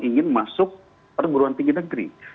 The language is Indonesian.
ingin masuk perguruan tinggi negeri